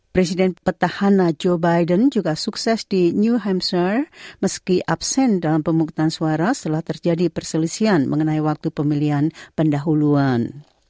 presiden petahana joe biden juga sukses di new hamzer meski absen dalam pemungutan suara setelah terjadi perselisian mengenai waktu pemilihan pendahuluan